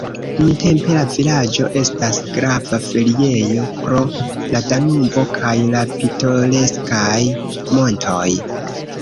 Nuntempe la vilaĝo estas grava feriejo pro la Danubo kaj la pitoreskaj montoj.